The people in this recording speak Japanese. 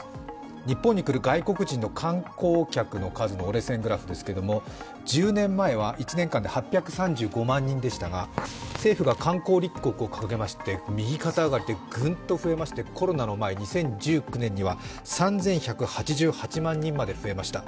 日本に来る外国人の観光客の数の折れ線グラフですけれども、１０年前は１年間で８３５万人でしたが、政府が観光立国を掲げまして右肩上がりでグンと増えましてコロナの前、２０１９年には３１８８万人まで増えました。